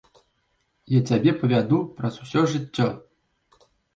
Я цябе павяду праз усё жыццё.